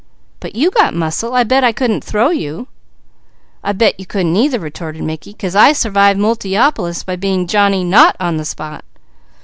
"But you got muscle. I bet I couldn't throw you!" "I bet you couldn't either," retorted Mickey, "'cause I survived Multiopolis by being Johnny not on the spot!